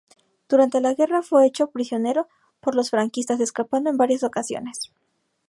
Durante la guerra fue hecho prisionero por los franquistas, escapando en varias ocasiones.